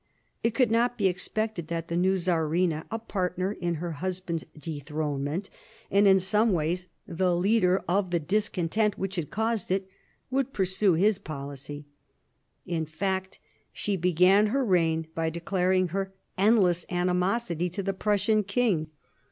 It could not be expected that the new Czarina, a partner in her husband's dethronement, and in some ways the leader 1760 63 THE SEVEN YEARS' WAR 181 of the discontent which had caused it, would pursue his policy. In fact she began her reign by declaring her endless animosity to the Prussian king.